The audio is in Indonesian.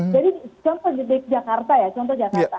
jadi contoh di jakarta ya contoh jakarta